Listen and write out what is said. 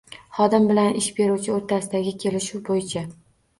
Xodim bilan ish beruvchi o‘rtasidagi kelishuv bo‘yicha